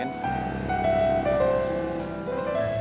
jangan masak keluar kok